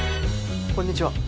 こんにちは。